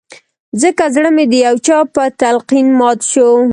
ځکه زړه مې د يو چا په تلقين مات شو